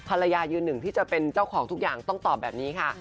ยืนหนึ่งที่จะเป็นเจ้าของทุกอย่างต้องตอบแบบนี้ค่ะ